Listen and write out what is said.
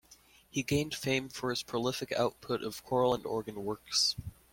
He gained fame for his prolific output of choral and organ works.